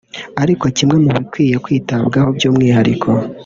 ari kimwe mu bikwiye kwitabwaho by’umwihariko